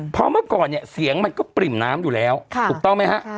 เพราะเมื่อก่อนเนี่ยเสียงมันก็ปริ่มน้ำอยู่แล้วถูกต้องไหมฮะ